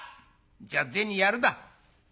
じゃあ銭やるだ。